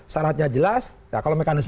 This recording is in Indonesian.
syaratnya jelas kalau mekanisme